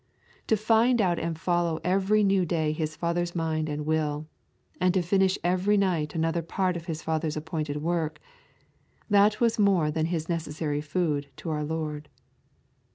To find out and follow every new day His Father's mind and will, and to finish every night another part of His Father's appointed work, that was more than His necessary food to our Lord.